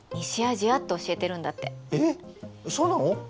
えっそうなの？